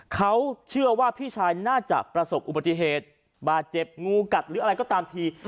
เขาเชื่อว่าพี่ชายน่าจะประสบอุบัติเหตุบาดเจ็บงูกัดหรืออะไรก็ตามที